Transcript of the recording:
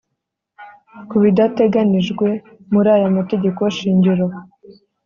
Ku bidateganijwe muri aya mategeko shingiro